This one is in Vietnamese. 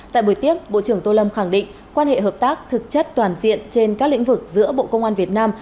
tại buổi tiếp bộ trưởng tô lâm khẳng định quan hệ hợp tác thực chất toàn diện trên các lĩnh vực giữa bộ công an việt nam